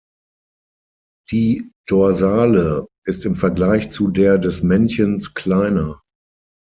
Die Dorsale ist im Vergleich zu der des Männchens kleiner.